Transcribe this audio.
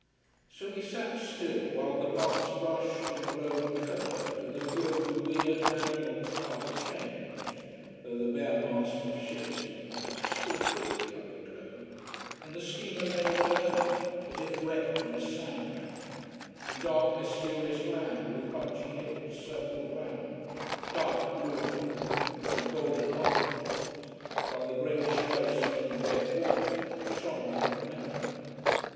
So we sat still while the bus rushed and the road curved and the view of the weird, land locked harbour changed, though the bare masts of ships in a bunch still pricked the upper glow, and the steamer lay away out, as if wrecked on a sand bank, and dark, mysterious land with bunchy hills circled round, dark blue and wintry in a golden after light, while the great, shallow seeming bay of water shone like a mirror.